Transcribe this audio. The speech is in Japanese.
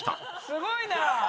すごいなあ！